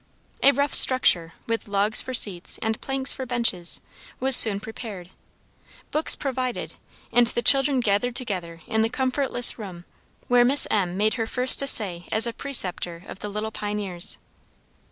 A rough structure, with logs for seats, and planks for benches, was soon prepared, books provided, and the children gathered together into the comfortless room, where Miss M. made her first essay as a preceptor of the little pioneers.